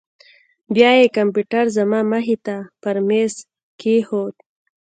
بيا يې کمپيوټر زما مخې ته پر ميز کښېښوو.